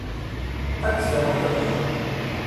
Ad d-tawiḍ lhemm.